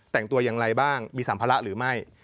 แต่งตัวอย่างไรบ้างมีสัมภาระหรือไม่